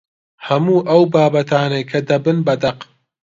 هەموو ئەو بابەتانەی کە دەبن بە دەق